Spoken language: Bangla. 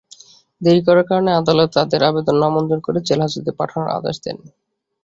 দেরি করার কারণে আদালত তাঁদের আবেদন নামঞ্জুর করে জেলহাজতে পাঠানোর আদেশ দেন।